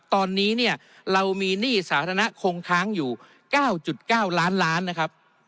ตอนนี้เรามีหนี้สาธารณะคงค้างอยู่๙๙ล้านนะครับ